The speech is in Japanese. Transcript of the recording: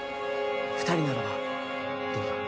二人ならばどうだ？